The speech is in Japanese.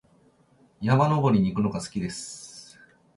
山登りに行くのが好きです。